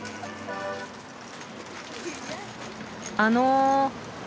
あの。